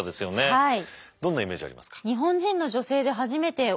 はい。